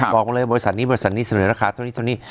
บอกเลยบริษัทนี้บริษัทนี้สนุนราคาตัวนี้ตัวนี้